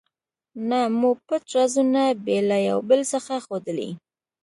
نه مو پټ رازونه بې له یو بل څخه ښودلي.